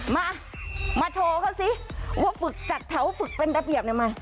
มามาโชว์เขาสิว่าฝึกจัดแถวฝึกเป็นระเบียบได้ไหม